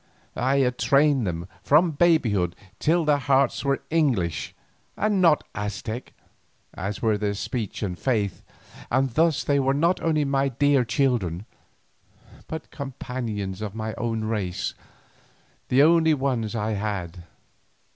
I had trained them from babyhood till their hearts were English and not Aztec, as were their speech and faith, and thus they were not only my dear children, but companions of my own race, the only ones I had.